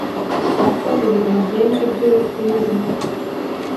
Nakoze ibintu byinshi byubupfu nkiri muto.